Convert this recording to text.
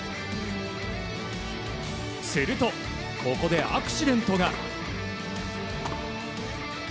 すると、ここでアクシデントが。